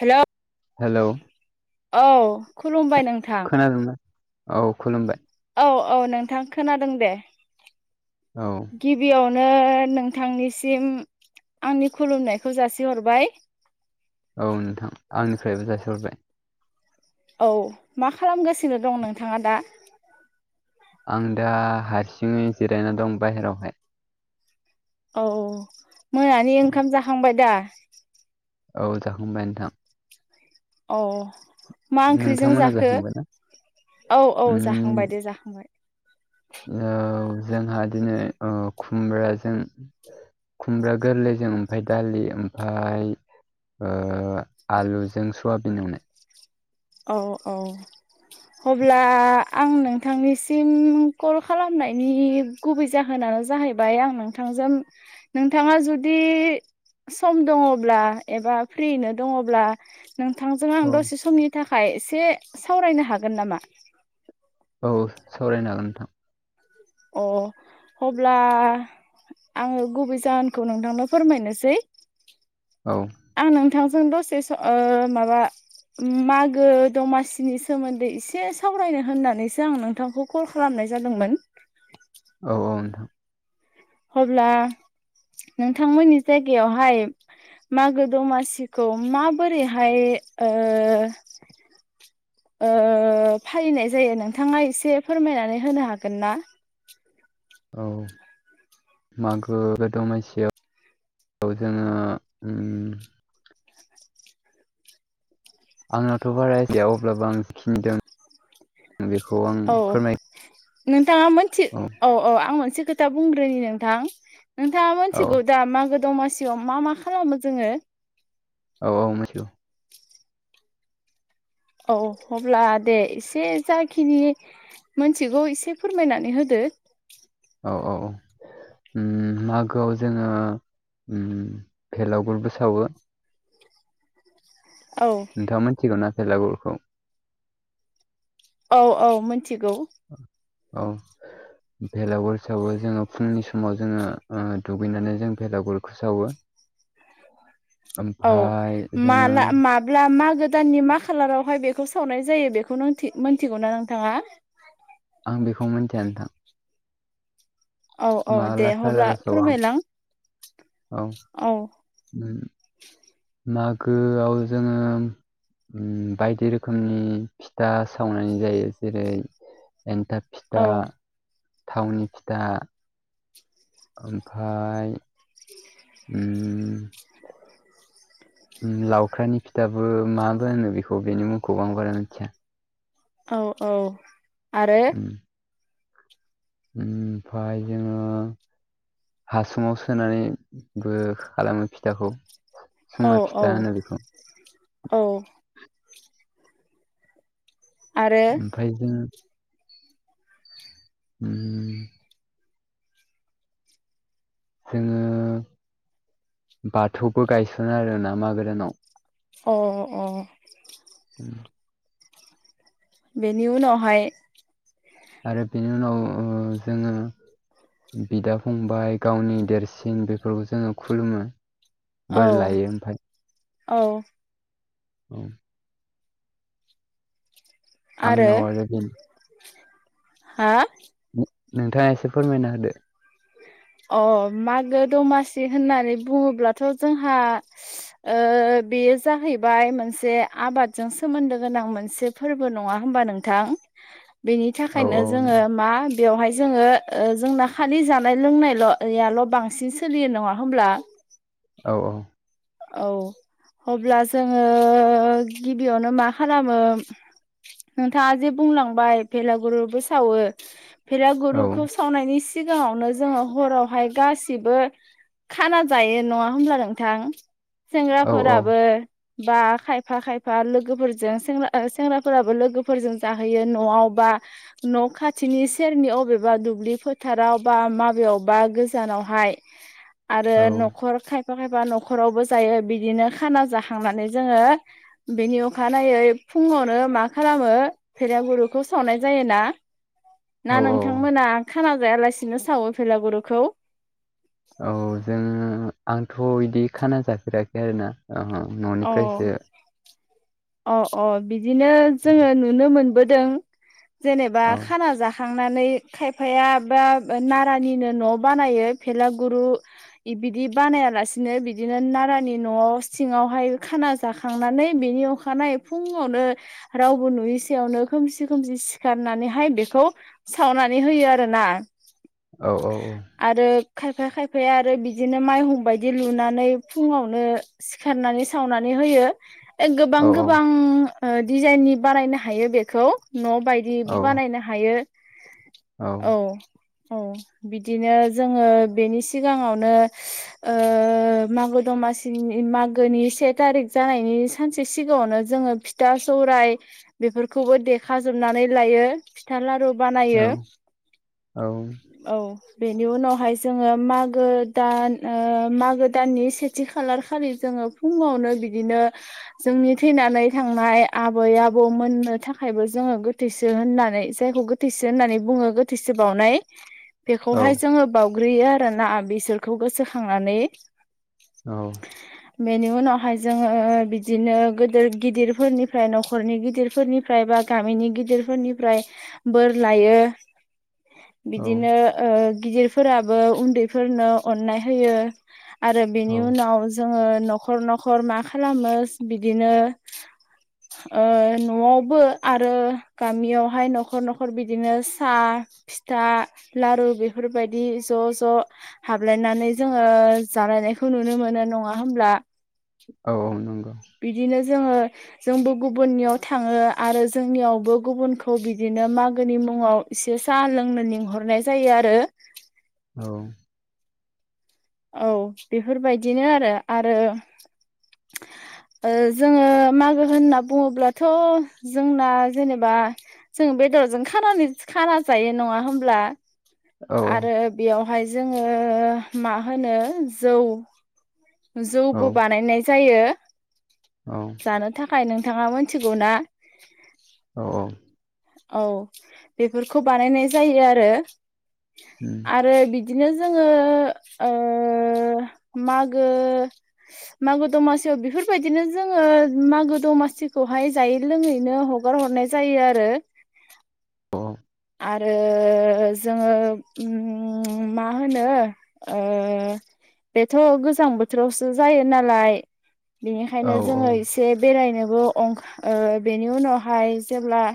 हेल' hello औ खुलुमबाय नोंथां। खोनादोंना औ खुलुमबाय। औ -औ नोंथां खोनादों दे। औ। गिबियावनो नोंथांनिसिम आंनि खुलुमनायखौ जासिहरबाय। औ नोंथां आंनिफ्रायबो जासिहरबाय। औ मा खालामगासिनो दं नोंथाङा दा? आं दा हारसिङै जिरायना दं बाहेरायावहाय। औ औ मोनानि ओंखाम जाखांबाय दा? औ जाहांबाय नोंथां? औ मा ओंख्रिजों नोंथांमोना जाखो? जाखांबायना औ- औ उम जाखांबाय दे जाखांबाय। जोंहा दिनै ओ खुमब्राजों खुमब्रा गोरलैजों ओमफ्राय दालि ओमफाय ओ आलुजों सवाबिन एवनाय। औ -औ। अब्ला आं नोंथांनिसिम कल खालामनायनि गुबै जाहोनानो जाहैबाय आं नोंथांजों नोंथाङा जुदि सम दङब्ला एबा फ्रिनो दङब्ला नोंथांजों आं औ दसे समनि थाखाय एसे सावरायनो हागोन नामा? औ सावरायनो हागोन नोंथां। अ अब्ला आङो गुबै जाहोनखौ नोंथांनो फोरमायनोसै औ आं नोंथांजों दसे माबा मागो दमासिनि सोमोन्दै एसे सावरायनो होननानैसो आं नोंथांखौ कल खालामनाय जादोंमोन। औ औ नोंथां। अब्ला नोंथांमोननि जायगायावहाय मागो दमासिखौ माबोरैहाय ओ फालिनाय जायो नोंथाङा एसे फोरमायनानै होनो हागोन ना? औ मागो गो दमायसियाव जोङो उम आंनाथ' बारा जाया अब्लाबो आं खिनदों औ फोरमाय नोंथाङा मोनथि औ औ आं मोनसे खोथा बुंग्रोनि नोंथां नोंथाङा औ मिथिगौ दा मागो दंमासि सियाव मा मा खालामो जोङो औ औ मोथिगौ। औ अब्ला दे एसे जाखिनि मोनथिगौ एसे फोरमायनानै होदो। औ औ औ उम मागोआव जोङो उम भेलागुरबो सावो। औ नोंथाङा मिथिगौना भेलागुरखौ? औ औ मिथिगौ। औ भेलागुर सावो जोङो फुंनि समाव जोङो दुगैनानै जों भेलागुरखौ सावो। औ ओमफाय जोङो माला मा ब्ला मागो दाननि मा खालारावहाय बेखौ सावनाय जायो बेखौ मिथिगौ ना नोंथाङा? आं बेखौ मिथिया नोंथां। औ औ दे माबला अब्ला खालाराव सावो आं फोरमायलां औ औ उम मागोआव जोङो उम बायदि रोखोमनि फिथा सावनाय जायो जेरै एन्थाब फिथा औ थावनि फिथा ओमफ्राय [inaudible] उम लावखारनि फिथाबो माबो होनो बेखौ बेनि मुंखौबो आं बारा मिथिया। औ औ आरो उम ओमफाय जोङो हासुङाव सोनानैबो खालामो फिथाखौ। औ सुङा औ फिथा होनो बेखौ औ आरो ओमफ्राय जोङो उम जोङो बाथौबो गायसनो आरोना मागो दानाव। अ अ उ बेनि उनावहाय आरो बेनि उनाव जोङो बिदा फंबाय गावनि देरसिन बेफोरखौ जोङो खुलुमो। बोर औ लायो ओमफाय औ। औ आरो आंनाव बेनो हा नोंथाङा एसे फोरमायना होदो। अ मागो दमासि होननानै बुङोब्लाथ' जोंहा ओ बेयो जाहैबाय मोनसे आबादजों सोमोन्दो गोनां मोनसे फोरबो नङा होमबा नोंथां? बेनि औ थाखायनो नों जोङो मा बेवहाय जोङो जोंना खालि जानाय लोंनाय ल' याल' बांसिन सोलियो नङा होमब्ला। औ औ औ अब्ला जोङो गिबियावनो मा खालामो नोंथाङा जे बुंलांबाय भेलागुरुबो सावो। औ भेलागुरुखौ सावनायनि सिगाङावनो जोङो हरावहाय गासिबो खाना जायो नङा होमब्ला नोंथां? औ सेंग्राफोराबो बा खायफा खायफा लोगोफोरजों सेंग्राफोराबो लोगोफोरजों जाहोयो न'आव बा न' खाथिनि सेरनि अबेबा दुब्लि फोथाराव बा माबेयावबा गोजानावहाय। आरो औ न'खर खायफा खायफा न'खरावबो जायो बिदिनो खाना जाखांनानै जोङो बेनि अखानायै फुङावनो मा खालामो फेलागुरुखौ सावनाय जायो ना? औ ना नोंथांमोना खाना जायालासिनो सावो फेलागुरुखौ? औ जों आंथ' बिदि खाना जाफेराखै आरोोना अ न'निफ्रायसो अ अ बिदिनो जोङो नुनो मोनबोदों जेनेबा औ खाना जाख खांनानै खायफाया बा नारानिनो न' बानायो फेलागुरु इ बिदि बानायालासिनो बिदिनो नारानि न'आव सिङाव बाहाय खाना जाखांनानै बेनि अखानायै फुङावनो रावबो नुयै सायावनो खोमसि खोमसि सिखारनानैहाय बेखौ सावनानै होयो आरोना। औ औ औ। आरो खायफाया खायफाया आरो बिदिनो माइहुं बायदि लुनानै फुङावनो सिखारनानै सावनानै होयो गोबां औ गोबां। ओ डिजाइननि बानायनो हायो बेखौ न' औ बायदि बानायनो हायो। औ औ बिदिनो जोङो बेनि सिगाङावनो ओ मागो दमासिनि मागोनि से थारिख जानायनि सानसे सिगाङावनो जोङो फिथा सौराय बेफोरखौबो देख जोबनानै लायो। फिथा लारु औ बानायो औ। बेनि उनावहाय जोङो मागो दान ओ मागो दाननि सेथि खालार खालि जोङो फुङावनो बिदिनो जोंनि थैनानै थांनाय आबै आबौ मोननो थाखायबो जोङो गोथैसो होननानै जायखौ गोथ गोथैसो होननानै बुङो गोथैसो बावनाय। बेखौहाय जोङो बाउग्रोयो आरोना बिसोरखौ गोसोखांनानै। औ। बेनि उनावहाय जोङो बिदिनो गोदोर गिदिरफोरनिफ्राय न'खरनि गिदिरफोरनि फ्राय बा गामिनि गिदिरफोरनिफ्राय बोर लायो। औ बिदिनो गिदिरफोराबो उन्दैफोरनो अननाय होयो। आरो औ बेनि उनाव जोङो न'खर न'खर मा खालामो बिदिनो ओ न'आवबो आरो गामियावहाय न'खर न'खर बिदिनो सा फिथा लारु बेफोरबायदि ज' ज' हाबलायनानै जोङो जालायनायखौ नुनो मोनो नङा होमब्ला। औ नंगौ। बिदिनो जोङो जोंबो गुबुननियाव थाङो आरो जोंनियावबो गुबुनखौ बिदिनो मागोनि मुङाव इसे साहा लोंनो लिंहरनाय जायो आरो। औ। औ बेफोरबायदिनो आरो आरो ओ जोङो मागो होनना बुङोब्लाथ' जोंना जेनेबा जों बेदरजों खानानि खाना जायो नङा होमब्ला? औ आरो बेयावहाय जोङो मा होनो जौ औ जौबो बानायनाय जायो। औ। जानो थाखाय नोंथाङा मोनथिगौ ना? औ औ। औ बेफोरखौ बानायनाय जायो आरो। उम। आरो बिदिनो जोङो ओ मागो मागो दमासियाव बेफोरबायदिनो जोङो मागो दमासिखौहाय जायै लोङैनो ह हगार हरनाय जायो आरो। [inaudible] आरो जोङो ओम मा होनो ओ बेथ' गोजां बोथोरावसो जायो नालाय औ बेनिखायनो जोङो इसे बेरायनोबो अं बेनि उनावहाय जेब्ला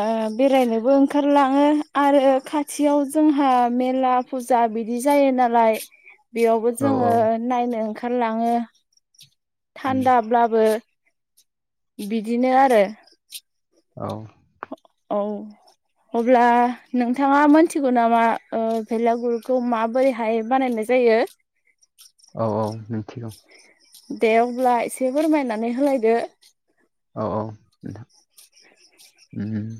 आ बेरायनो बो ओंखारलाङो आरो खाथियाव जोंहा मेला फुजा बिदि जायो नालाय [inaudible] बेयावबो औ जोङो नायनो ओंखारलाङो उम थान्दाब्लाबो। बिदिनो आरो। औ। औ। अब्ला नोंथाङा मोनथिगौ नामा भेलागुरखौ माबोरैहाय बानायनाय ज जायो? औ औ मिथिगौ। दे अब्ला एसे फोरमायनानै होलायदो। औ औ नोंथां उम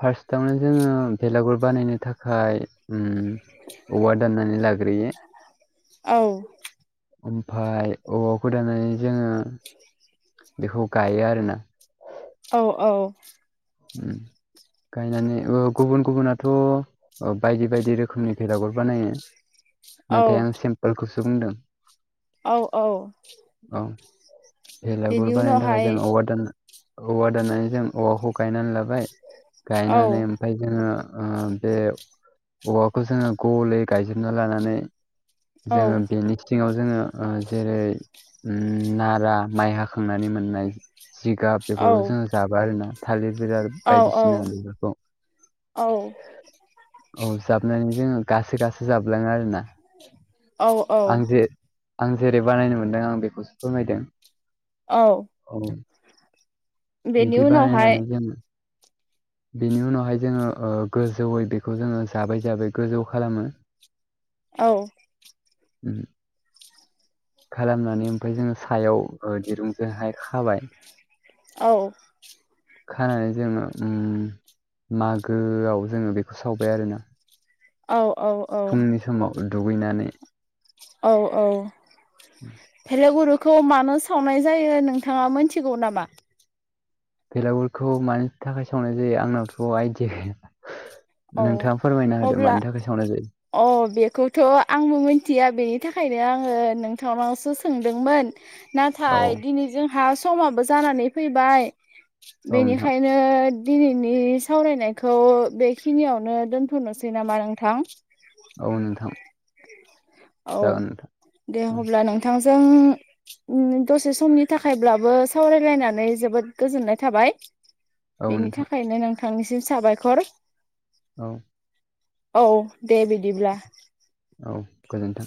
फार्सथावनो जोङो भेलागुर बानायनो थाखाय ओम औवा दाननानानै लाग्रोयो। औ। ओमफाय औवाखौ दानानै जोङो बेखौ गायो आरोना। औ औ [unintelligible] गायनानै गुबुन गुबुनाथ' बायदि बायदि रोखोमनि भेलागुर बानायो औ नाथाय आं सिमपोलखौसो बुंदों औ औ औ बेेलागुर बेनि बानायनो थाखाय उनावहाय जों औवा दननो औवा दाननानै जों औवाखौ गायनानै लाबाय औ गायनानै ओमफ्राय जोङो ओ बे औवाखौ जोङो गलै गायजोबना लानानै औ जोङो बेनि सिङाव जोङो ओ जेरै उम नारा माइ हाखांनानै मोननाय जिगाब बेेफोरखौ जोंड़ो जाबो आरो ना [unintelligible] औ जाबनानै जोङो औ गासो गासो जाबलाङो आरोोना [inaudible] आं औ जे आं जेरै बानायनो मोनदों आं बेखौसो फोरमायदों औ औ बेनि बिदि उनावहाय बानायनानै जों बेनि उनावहाय जोङो ओ गोजौयै बेखौ जोङो जाबै जाबै गोजौ खालामो औ [inaudible] खालामनानै ओमफाय जोङो सायाव ओ दिरुंजोंहाय खाबाय औ खानानै जोङो उम मागोआव जोङो बेखौ सावबाय आरोना औ औ फुंनि समाव दुगैनानै औ औ भेलागुरुखौ मानो सावनाय जायो नोंथाङा मोनथिगौ नामा [unintelligible] औ नोंथाङा फोरमायना होदो अब्ला मानि थाखाय सावनाय जायो अ बेखौथ आंबो मिथिया बेनि थाखायनो आङो नोंथांनावसो सोंदोंमोन औ नाथाय दिनै जोंहा समाबो जानानै फैबाय औ नोंथां बेनिखायनो नों दिनैनि सावरायनायखौ बे बेखिनियावनो दोनथनोसै नामा नोंथां औ नोंथां औ जागोन दे नोंथां अब्ला नोंथांजों उम दसे समनि थाखायब्लाबो सावरायलायनानै जोबोद गोजोननाय थाबाय औ बेनि नोंथां थाखायनो नोंथांनिसिम साबायखर औ औ दे बिदिब्ला औ गोजोन्थों